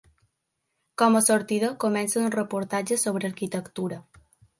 Com a sortida, comença uns reportatges sobre arquitectura.